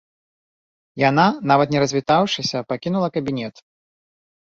Яна, нават не развітаўшыся, пакінула кабінет.